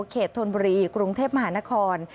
ธนบุรีกรุงเทพมหานคร